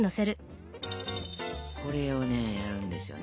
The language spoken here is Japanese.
これをねやるんですよね